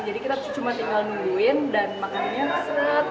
jadi kita cuma tinggal nungguin dan makanannya sangat kayak kereta gitu